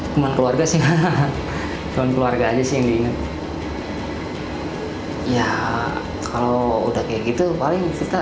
teman keluarga sih teman keluarga aja sih yang diingat ya kalau udah kayak gitu paling kita